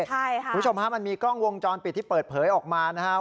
คุณผู้ชมฮะมันมีกล้องวงจรปิดที่เปิดเผยออกมานะครับ